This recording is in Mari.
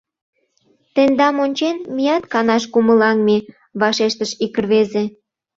— Тендам ончен, меат канаш кумылаҥме! — вашештыш ик рвезе.